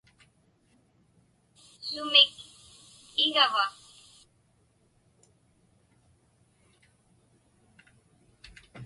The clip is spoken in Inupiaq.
Sumik igava?